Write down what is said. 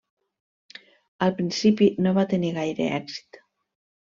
Al principi no va tenir gaire èxit.